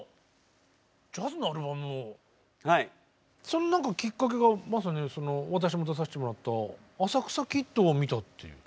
その何かきっかけがまさに私も出させてもらった「浅草キッド」を見たっていう。